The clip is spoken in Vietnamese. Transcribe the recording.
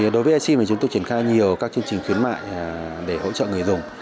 đối với e sim thì chúng tôi chuyển khai nhiều các chương trình khuyến mại để hỗ trợ người dùng